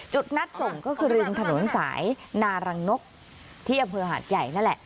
จุดนัดส่งก็คือริมถนนสายนารังนกที่อำเภอหาดใหญ่นั่นแหละ